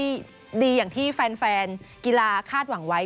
ดีอย่างที่แฟนกีฬาคาดหวังไว้